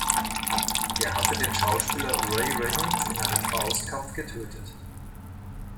Er hatte den Schauspieler Ray Raymond in einem Faustkampf getötet.